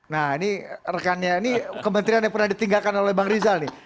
nah ini rekannya ini kementerian yang pernah ditinggalkan oleh bang rizal nih